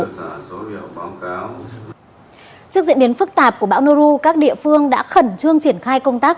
trước diễn biến phức tạp của bão nu các địa phương đã khẩn trương triển khai công tác